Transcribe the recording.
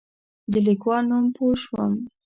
د لیکوال نوم پوه شوم.